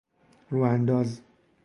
رو انداز